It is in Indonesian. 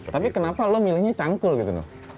tapi kenapa lo milihnya cangkul gitu loh